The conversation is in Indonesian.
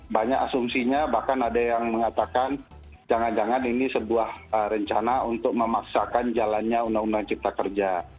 banyak asumsinya bahkan ada yang mengatakan jangan jangan ini sebuah rencana untuk memaksakan jalannya undang undang cipta kerja